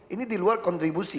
ini diluar kontribusi